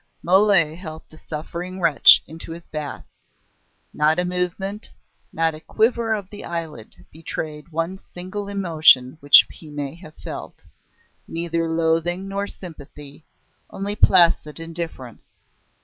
Mole helped the suffering wretch into his bath. Not a movement, not a quiver of the eyelid betrayed one single emotion which he may have felt neither loathing nor sympathy, only placid indifference.